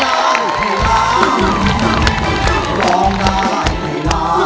ร้องได้ร้องได้